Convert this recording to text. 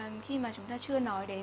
thực sự là khi mà chúng ta chưa nói đến